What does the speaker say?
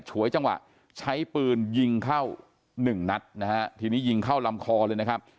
ฉวยจังหวะใช้ปืนยิงเข้าหนึ่งนัดนะฮะทีนี้ยิงเข้าลำคอเลยนะครับ